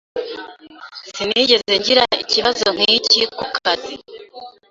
Sinigeze ngira ikibazo nkiki ku kazi.